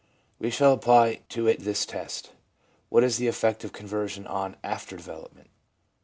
We shall apply to it this test, What is the effect of conversion on after development